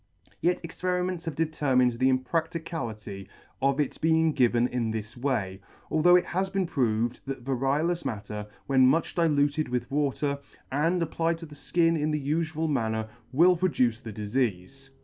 Yet experiments have determined the impradicability of its being given in this way ; although it has been proved that variolous matter when much diluted with water, and applied to the fkin in the ufual manner, will pro duce the difeafe.